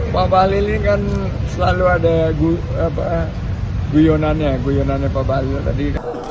pak bahlil ini kan selalu ada guyonannya guyonannya pak bahlil tadi